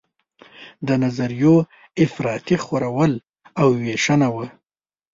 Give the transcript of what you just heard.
د نظریو افراطي خورول او ویشنه وه.